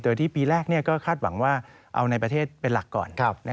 โดยที่ปีแรกก็คาดหวังว่าเอาในประเทศเป็นหลักก่อน